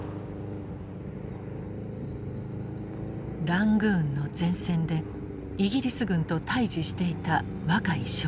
ラングーンの前線でイギリス軍と対じしていた若井少尉。